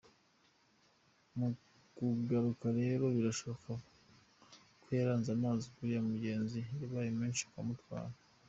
Mu kugaruka rero birashoboka ko yasanze amazi y’uriya mugezi yabaye menshi ukamutwara”.